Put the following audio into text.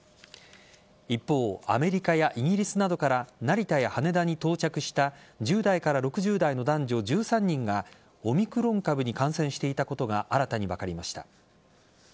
一方アメリカやイギリスなどから成田や羽田に到着した１０代から６０代の男女１３人がオミクロン株に感染していたことが新たに分かりました。